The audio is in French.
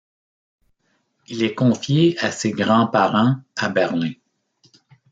Il est confié à ses grands-parents à Berlin.